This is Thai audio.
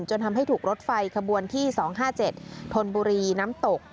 จนทำให้ถูกรถไฟขบวนที่๒๕๗ธนบุรีน้ำตก